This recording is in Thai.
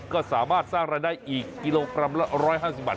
ก็สามารถสร้างรายได้อีกกิโลกรัมละ๑๕๐บาท